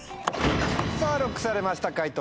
さぁＬＯＣＫされました解答